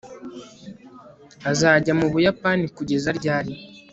azajya mu buyapani kugeza ryari